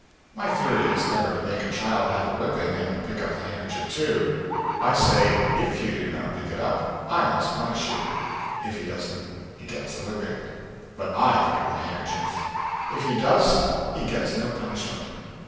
My theory is never to make a child have a whipping and pick up the handkerchief too. I say "If you do not pick it up, I must punish you," if he doesn't he gets the whipping, but I pick up the handkerchief, if he does he gets no punishment.